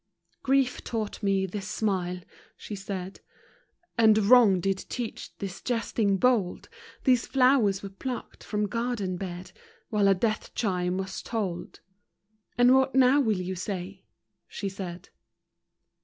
Grief taught to me this smile, she said, And Wrong did teach this jesting bold; These flowers were plucked from garden bed While a death chime was tolled — And what now will you say ?— she said.